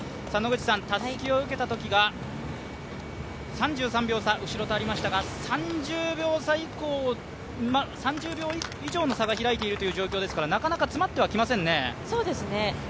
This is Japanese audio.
たすきを受けたときが３３秒差後ろとありましたが３０秒以上の差が開いているという状況ですからなかなか詰まってはきませんね。